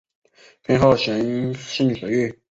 偏好咸性水域。